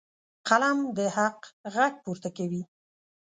قلم د حق غږ پورته کوي.